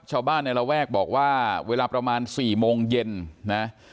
ชาวบ้านในระแวกบอกว่าเวลาประมาณ๔โมงเย็นนะ